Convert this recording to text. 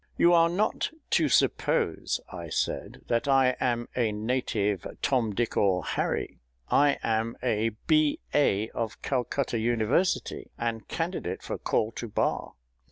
"You are not to suppose," I said, "that I am a native TOM DICK or HARRY. I am a B.A. of Calcutta University, and candidate for call to Bar.